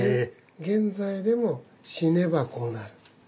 現在でも死ねばこうなる。